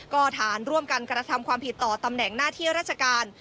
ก็ฐานร่วมกันกระทำความผิดต่อตำแหน่งหน้าที่ราชการ